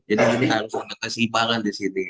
jadi ini harus ada kesibangan di sini